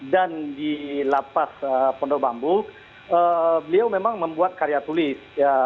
dan di lapas pondok bambu beliau memang membuat karya tulis